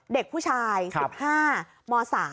เด็กผู้ชาย๑๕ม๓